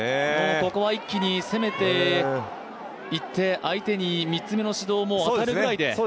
ここは一気に攻めていって相手に３つ目の指導を与えるぐらいで。